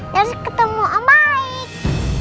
terus ketemu om baik